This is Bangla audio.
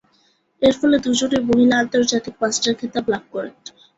এর ফলে দুজনেই মহিলা আন্তর্জাতিক মাস্টার খেতাব লাভ করেন।